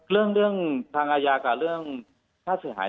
เรื่องทางอาญากับเรื่องค่าเสียหาย